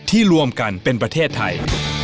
รวมกันเป็นประเทศไทย